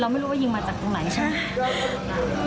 ไม่รู้ว่ายิงมาจากตรงไหนใช่ไหม